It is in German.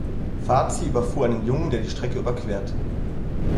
Varzi überfuhr einen Jungen, der die Strecke überquerte.